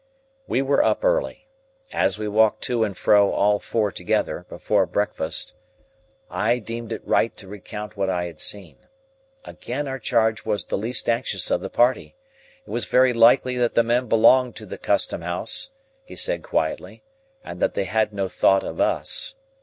We were up early. As we walked to and fro, all four together, before breakfast, I deemed it right to recount what I had seen. Again our charge was the least anxious of the party. It was very likely that the men belonged to the Custom House, he said quietly, and that they had no thought of us.